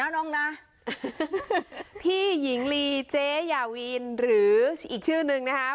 น้องนะพี่หญิงลีเจ๊ยาวีนหรืออีกชื่อนึงนะครับ